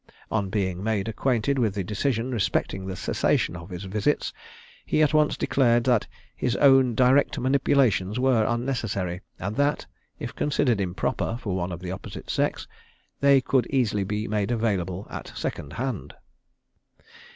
On being made acquainted with the decision respecting the cessation of his visits, he at once declared that his own direct manipulations were unnecessary, and that, if considered improper for one of the opposite sex, they could easily be made available at second hand.